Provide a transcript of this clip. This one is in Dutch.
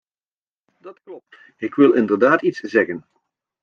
Dat klopt, ik wil inderdaad iets zeggen.